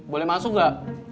boleh masuk gak